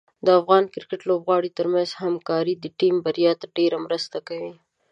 د افغان کرکټ لوبغاړو ترمنځ همکاري د ټیم بریا ته ډېره مرسته کوي.